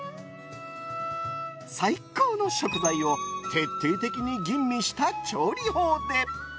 最高の食材を徹底的に吟味した調理法で！